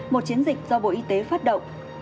một chiến dịch do bộ y tế phát động